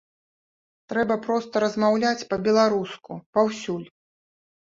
Трэба проста размаўляць па-беларуску, паўсюль.